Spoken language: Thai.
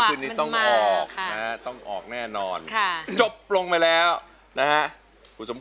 เราก็เจออันนั้นแล้วไหม